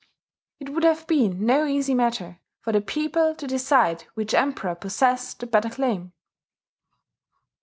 It would have been no easy matter for the people to decide which Emperor possessed the better claim.